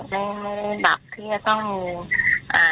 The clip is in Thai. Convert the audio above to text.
ถ้าเพื่อนสนิทจริงจะทราบว่าตรอยนี่ทำมาก่อนที่กับครูปอยู่แล้ว